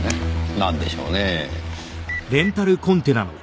なんでしょうねぇ。